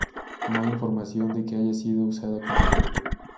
No hay información de que haya sido usada como arma.